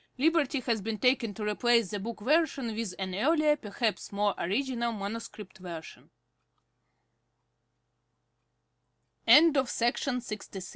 Liberty has been taken to replace the book version with an earlier, perhaps more original manuscript version—Ed} TO ISADORE I Beneath th